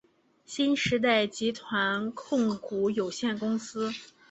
新时代集团控股有限公司。